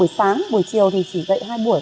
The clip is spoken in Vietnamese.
buổi sáng buổi chiều thì chỉ dậy hai buổi